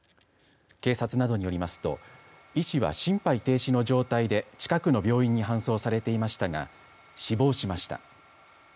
警察などによりますと医師は心肺停止の状態で近くの病院に搬送されていましたが死亡しました。